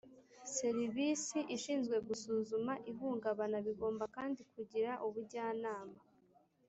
serivisi ishinzwe gusuzuma ihungabana. bigomba kandi kugira ubujyanama